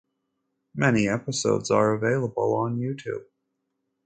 Many episodes are available on YouTube.